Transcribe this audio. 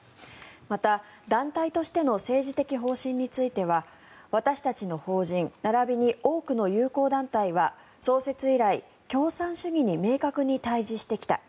また、団体としての政治的方針については私たちの法人並びに多くの友好団体は創設以来、共産主義に明確に対峙してきた。